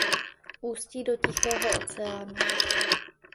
Ústí do Tichého oceánu.